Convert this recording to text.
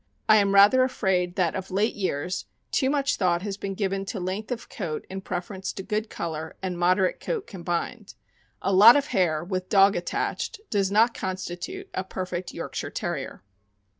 I am rather afraid that, of late years, too much thought has been given to length of coat in preference to good color and mod erate coat combined. A lot of hair with dog attached does not constitute a perfect Yorkshire Terrier.